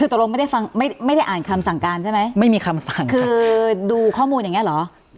คือตรงไม่ได้ฟังไม่ได้อ่านคำสั่งการใช่ไหมคือดูข้อมูลอย่างเงี้ยเหรอ